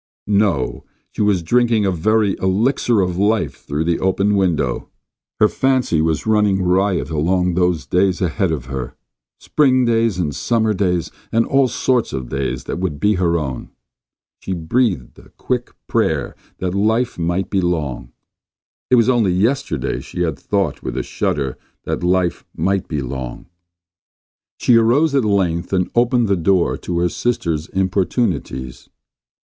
No; she was drinking in a very elixir of life through that open window. Her fancy was running riot along those days ahead of her. Spring days, and summer days, and all sorts of days that would be her own. She breathed a quick prayer that life might be long. It was only yesterday she had thought with a shudder that life might be long. She arose at length and opened the door to her sister's importunities.